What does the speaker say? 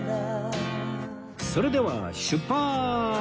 それでは出発！